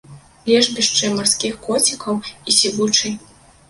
Лежбішчы марскіх коцікаў і сівучай.